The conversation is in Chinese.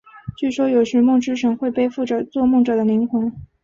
据说有时梦之神会背负着做梦者的灵魂。